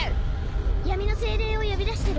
闇の精霊を呼び出してる！